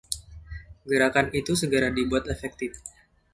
Gerakan itu segera dibuat efektif.